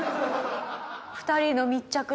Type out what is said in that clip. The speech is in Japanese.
２人の密着度。